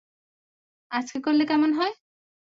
আজকে করলে কেমন হয়?